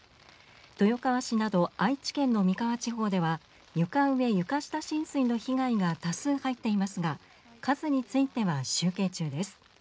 豊川市など愛知県の三河地方では床上・床下浸水などの被害が多数入っていますが数については集計中です。